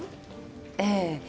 ええ。